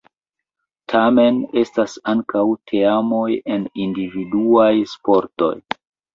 Tamen, estas ankaŭ teamoj en individuaj sportoj.